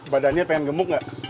badannya pengen gemuk gak